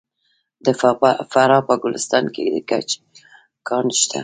د فراه په ګلستان کې د ګچ کان شته.